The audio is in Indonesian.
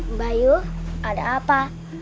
mbak yu ada apa